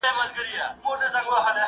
صنعتي پرمختګ د هېوادونو ترمنځ توپیر ښيي.